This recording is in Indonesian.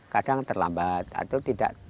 kadang terlambat atau tidak